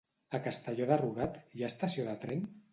A Castelló de Rugat hi ha estació de tren?